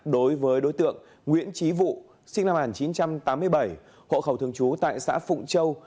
đối với đối tượng nguyễn trí vụ sinh năm một nghìn chín trăm tám mươi bảy hộ khẩu thường trú tại xã phụng châu